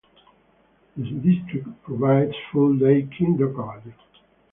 The District provides full day kindergarten.